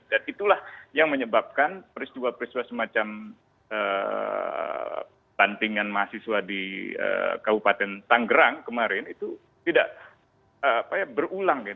dan itulah yang menyebabkan peristiwa peristiwa semacam pantingan mahasiswa di kabupaten tanggerang kemarin itu tidak berulang